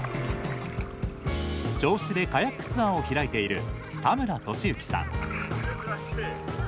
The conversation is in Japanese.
銚子でカヤックツアーを開いている田村憲章さん。